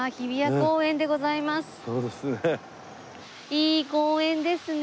いい公園ですね。